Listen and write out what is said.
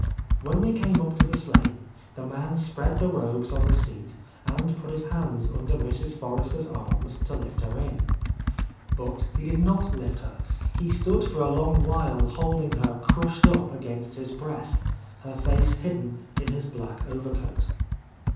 When they came up to the sleigh, the man spread the robes on the seat and put his hands under Mrs. Forrester's arms to lift her in. But he did not lift her ; he stood for a long while — 66 — A Lost Lady holding her crushed up against his breast, her face hidden in his black overcoat.